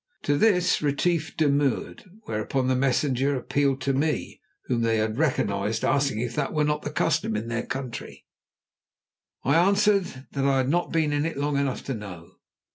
To this Retief demurred, whereon the messengers appealed to me, whom they had recognised, asking if that were not the custom of their country. I answered that I had not been in it long enough to know.